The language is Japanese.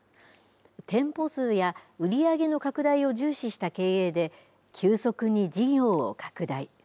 店舗数や売り上げの拡大を重視した経営で、急速に事業を拡大。